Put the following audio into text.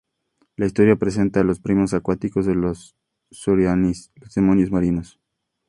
La historia presenta a los primos acuáticos de los silurians, los demonios marinos.